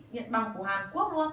nhận bằng của hàn quốc luôn